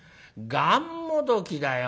がんもどきだよ」。